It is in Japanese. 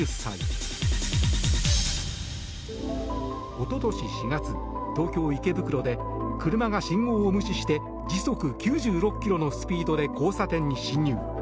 一昨年４月、東京・池袋で車が信号を無視して時速９６キロのスピードで交差点に進入。